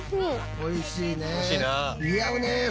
おいしいな。